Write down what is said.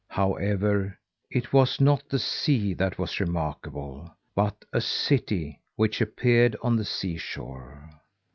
However, it was not the sea that was remarkable, but a city which appeared on the sea shore.